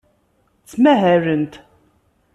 Ttmahalent.